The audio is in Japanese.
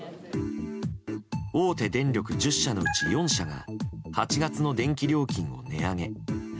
大手電力１０社のうち４社が８月の電気料金を値上げ。